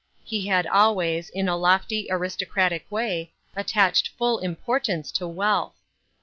He had «dways, in a lofty, aristocratic way, attached full importance to wealth.